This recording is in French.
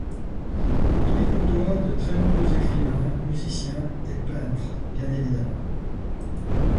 Il y côtoie de très nombreux écrivains, musiciens et peintres bien évidemment.